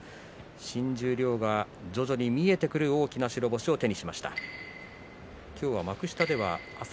新十両が徐々に見えてくる大きな白星を手にした狼雅です。